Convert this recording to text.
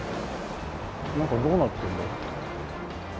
中どうなってるんだろう？